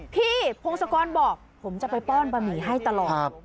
พงศกรบอกผมจะไปป้อนบะหมี่ให้ตลอด